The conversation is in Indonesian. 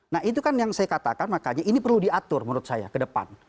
nah itu kan yang saya katakan makanya ini perlu diatur menurut saya ke depan